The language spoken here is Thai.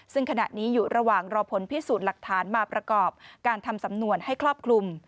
ซึ่งขณะนี้อยู่ระหว่างรอผลพิสูจน์หลักฐานมาประกอบการทำสำนวนให้ครอบคลุม